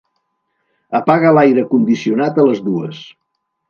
Apaga l'aire condicionat a les dues.